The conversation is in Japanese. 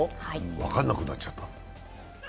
分かんなくなっちゃった。